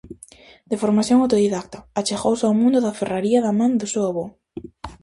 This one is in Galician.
De formación autodidacta, achegouse ao mundo da ferraría da man do seu avó.